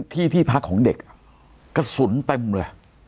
ที่ที่พักของเด็กกระสุนเต็มเลย